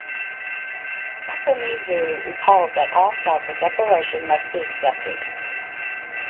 Sakomizu recalled that all felt the declaration must be accepted.